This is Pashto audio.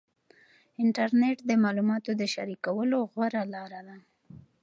انټرنیټ د معلوماتو د شریکولو غوره لار ده.